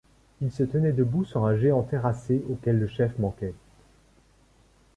Elle se tenait debout sur un géant terrassé auquel le chef manquait.